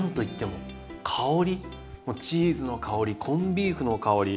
もうチーズの香りコンビーフの香り。